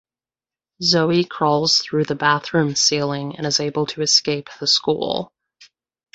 Zoe crawls through the bathroom ceiling and is able to escape the school.